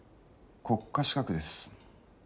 国家資格です。